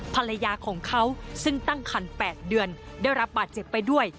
ภรรยาของเขาซึ่งตั้งคัน๘เดือนได้รับบาดเจ็บไปด้วย